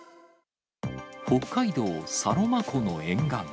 北海道サロマ湖の沿岸。